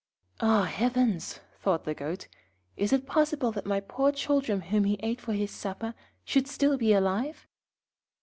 'Ah, heavens!' thought the Goat, 'is it possible that my poor children whom he ate for his supper, should be still alive?'